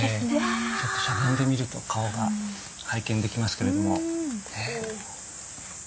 ちょっとしゃがんでみると顔が拝見できますけれども。